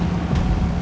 aku mau pergi